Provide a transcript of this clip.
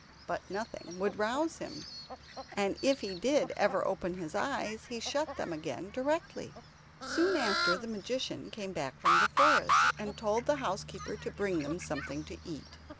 But nothing would rouse him, and if he did ever open his eyes he shut them again directly. Soon after, the magician came back from the forest, and told the housekeeper to bring them something to eat.